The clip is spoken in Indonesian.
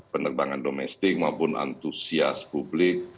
penerbangan domestik maupun antusias publik